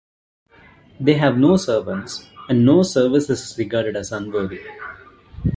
They have no servants, and no service is regarded as unworthy.